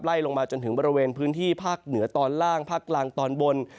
ลงมาจนถึงบริเวณพื้นที่ภาคเหนือตอนล่างภาคกลางตอนบน